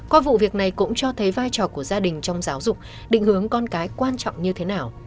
qua vụ việc này cũng cho thấy vai trò của gia đình trong giáo dục định hướng con cái quan trọng như thế nào